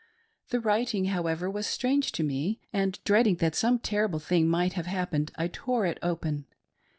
The writing, however, was strange to me; and dreading that some terrible thing might have hap pened, I tore it open.